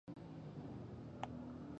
داسې لیدل ما ډېر زیات خفه کړم.